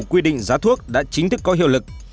quy định giá thuốc đã chính thức có hiệu lực